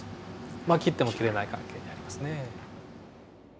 まあ切っても切れない関係にありますね。